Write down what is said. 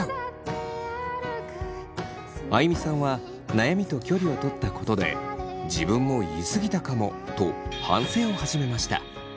あいみさんは悩みと距離をとったことで自分も言い過ぎたかもと反省を始めました。